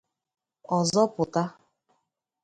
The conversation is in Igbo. ọzọ pụta